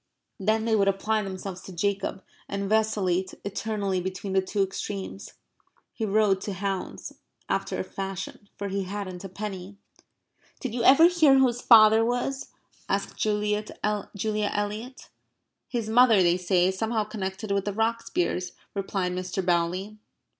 Then they would apply themselves to Jacob and vacillate eternally between the two extremes. He rode to hounds after a fashion, for he hadn't a penny. "Did you ever hear who his father was?" asked Julia Eliot. "His mother, they say, is somehow connected with the Rocksbiers," replied Mr. Bowley.